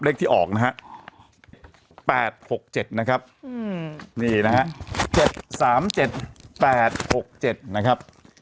เลขที่ออกนะครับ๘๖๗นะครับ๗๓๗๘๖๗นะครับ